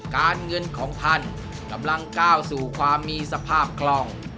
การเงินของท่านกำลังก้าวสู่ความมีสภาพคล่อง